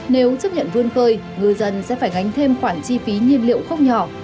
nếu chấp nhận vươn khơi ngư dân sẽ phải gánh thêm khoản chi phí nhiên liệu không nhỏ